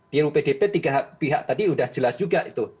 di ru pdp tiga pihak tadi sudah jelas juga itu